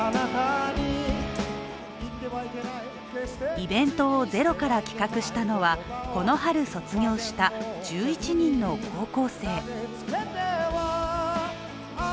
イベントをゼロから企画したのはこの春卒業した１１人の高校生。